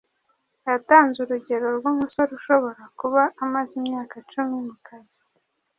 Yatanze urugero rw’umusore ushobora kuba amaze imyaka cumi mu kazi